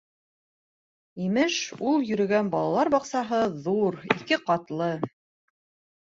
Имеш, ул йөрөгән балалар баҡсаһы ҙур, ике ҡатлы...